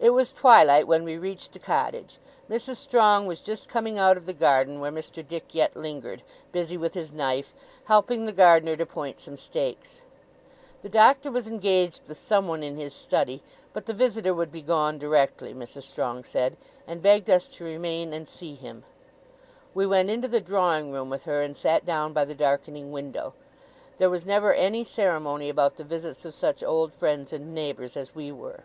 It was twilight when we reached the cottage. Mrs. Strong was just coming out of the garden, where Mr. Dick yet lingered, busy with his knife, helping the gardener to point some stakes. The Doctor was engaged with someone in his study; but the visitor would be gone directly, Mrs. Strong said, and begged us to remain and see him. We went into the drawing room with her, and sat down by the darkening window. There was never any ceremony about the visits of such old friends and neighbours as we were.